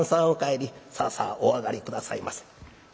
「さあさあお上がり下さいませ」。